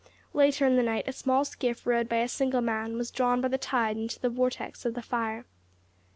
Later in the night a small skiff rowed by a single man was drawn by the tide into the vortex of the fire.